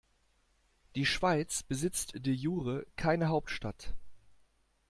Die Schweiz besitzt de jure keine Hauptstadt.